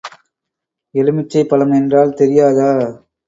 எலுமிச்சம் பழம் என்றால் தெரியாதா?